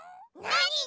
なに？